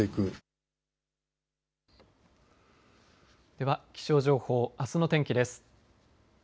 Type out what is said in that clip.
では気象情報、あすの天気です。